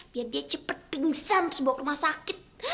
biar dia cepet pingsan terus bawa ke rumah sakit